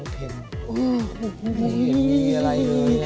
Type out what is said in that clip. พี่มีอะไรอยู่เนี่ย